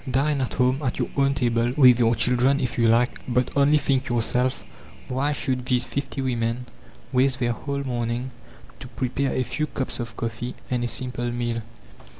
Dine at home, at your own table, with your children, if you like; but only think yourself, why should these fifty women waste their whole morning to prepare a few cups of coffee and a simple meal!